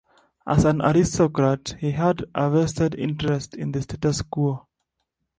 As an aristocrat, he had a vested interest in the status quo.